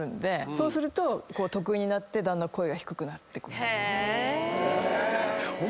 そうすると得意になってだんだん声が低くなってくる。